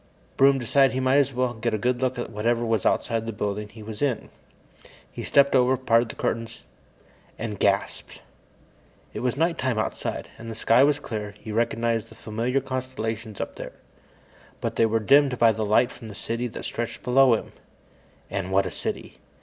Broom decided he might as well get a good look at whatever was outside the building he was in. He stepped over, parted the curtains, and And gasped! It was night time outside, and the sky was clear. He recognized the familiar constellations up there. But they were dimmed by the light from the city that stretched below him. And what a city!